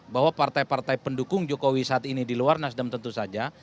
bahwa partai partai pendukung jokowi saat ini di luar nasdem tentu saja